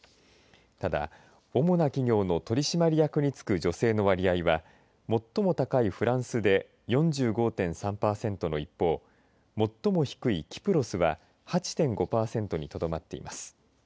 ただ、主な企業の取締役に就く女性の割合は最も高いフランスで４５．３パーセントの一方最も低いキプロスは８．５パーセントにとどまっています。